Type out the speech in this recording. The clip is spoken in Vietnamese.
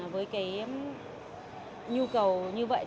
với nhu cầu như vậy